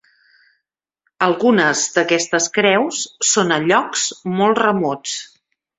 Algunes d'aquestes creus són a llocs molt remots.